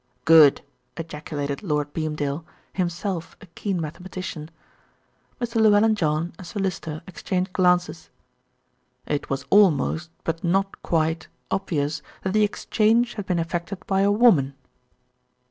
"Good," ejaculated Lord Beamdale, himself a keen mathematician. Mr. Llewellyn John and Sir Lyster exchanged glances. "It was almost, but not quite, obvious that the exchange had been effected by a woman."